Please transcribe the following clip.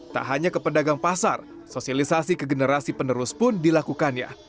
tak hanya ke pedagang pasar sosialisasi ke generasi penerus pun dilakukannya